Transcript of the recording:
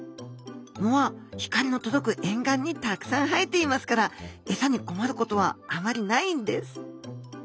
藻は光の届く沿岸にたくさんはえていますからエサに困ることはあまりないんです。